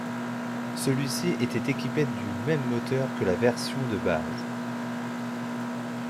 Celui-ci était équipé du même moteur que la version de base.